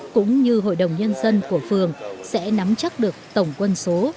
cũng như hội đồng nhân dân của phường sẽ nắm chắc được tổng quân số